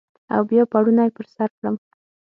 او بیا پوړنی پر سرکړم